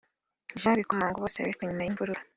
Jean Bikomagu bose bishwe nyuma y’imvururu